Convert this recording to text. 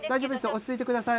落ち着いて下さい。